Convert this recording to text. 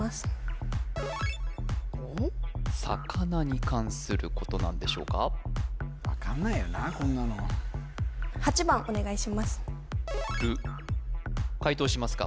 魚に関することなんでしょうか分かんないよなこんなのお願いします解答しますか？